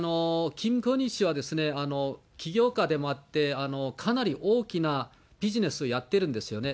キム・ゴンヒ氏は起業家でもあって、かなり大きなビジネスをやっているんですよね。